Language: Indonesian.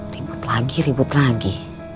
ribut lagi ribut lagi